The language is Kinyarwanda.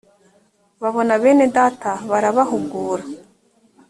babona bene data barabahugura